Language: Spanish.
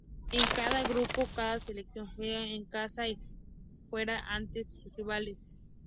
En cada grupo cada selección juega en casa y fuera ante sus rivales.